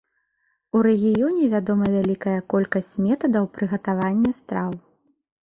У рэгіёне вядома вялікая колькасць метадаў прыгатавання страў.